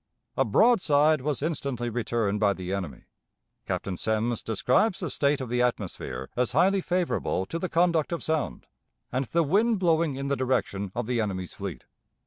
A broadside was instantly returned by the enemy. Captain Semmes describes the state of the atmosphere as highly favorable to the conduct of sound, and the wind blowing in the direction of the enemy's fleet.